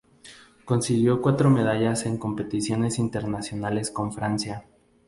Consiguió cuatro medallas en competiciones internacionales con Francia.